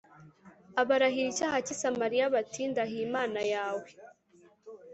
Abarahira icyaha cy’i Samariya bati ‘Ndahiye imana yawe